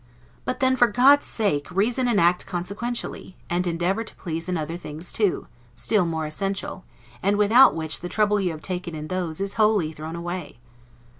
But then, for God's sake, reason and act consequentially; and endeavor to please in other things too, still more essential; and without which the trouble you have taken in those is wholly thrown away.